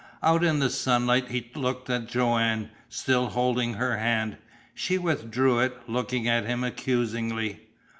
Out in the sunlight he looked at Joanne, still holding her hand. She withdrew it, looking at him accusingly.